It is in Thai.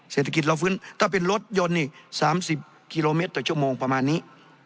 เศรษฐกิจเราฟื้นถ้าเป็นรถยนต์นี่๓๐กิโลเมตรต่อชั่วโมงประมาณนี้